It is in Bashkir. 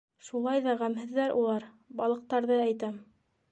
Шулай ҙа ғәмһеҙҙәр улар, балыҡтарҙы әйтәм.